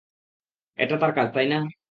এটা তার কাজ, তাই না?